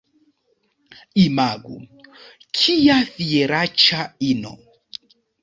Imagu, kia fieraĉa ino!